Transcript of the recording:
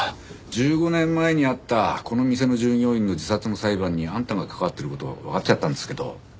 １５年前にあったこの店の従業員の自殺の裁判にあんたが関わってる事わかっちゃったんですけど。